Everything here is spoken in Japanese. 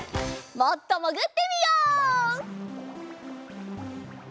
もっともぐってみよう！